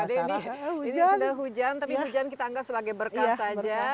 ini sudah hujan tapi hujan kita anggap sebagai berkat saja